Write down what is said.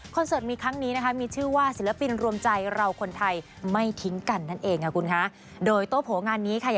คอนเสิร์ตมีครั้งนี้มีชื่อว่าศิลปินรวมใจเราคนไทยไม่ทิ้งกันนั่นเอง